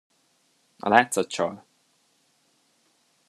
A látszat csal.